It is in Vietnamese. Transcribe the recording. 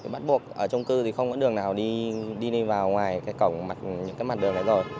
bắt buộc ở trung cư thì không có đường nào đi vào ngoài cái cổng mặt đường này rồi